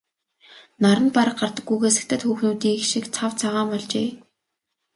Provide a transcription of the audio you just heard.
Наранд бараг гардаггүйгээс хятад хүүхнүүдийнх шиг цав цагаан болжээ.